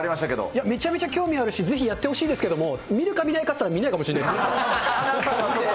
いや、めちゃめちゃ興味あるし、ぜひやってほしいですけれども、見るか見ないかって言ったら、見ないかもしれないですね。